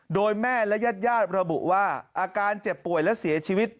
โดยแม่และญาติญาติระบุว่าอาการเจ็บป่วยและเสียชีวิต